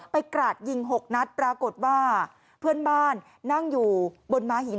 กราดยิง๖นัดปรากฏว่าเพื่อนบ้านนั่งอยู่บนม้าหิน